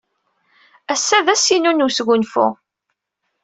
Ass-a d ass-inu n wesgunfu.